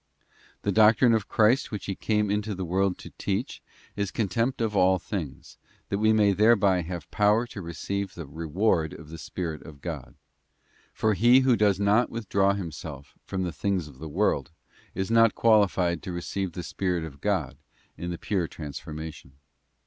* The doctrine of Christ which He came into the world to teach, is contempt of all things, that we may thereby have power to receive the reward of the Spirit of God. For he who does not withdraw himself from the things of the world, is not qualified to receive the Spirit of God in the pure transformation.